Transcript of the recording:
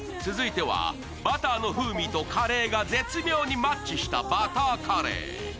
続いてはバターの風味とカレーが絶妙にマッチしたバターカレー。